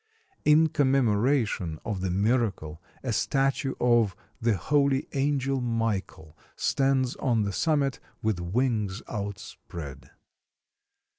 In commemoration of the miracle a statue of the Holy Angel Michael stands on the summit with wings outspread.